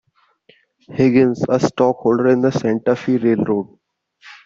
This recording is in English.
Higgins, a stockholder in the Santa Fe Railroad.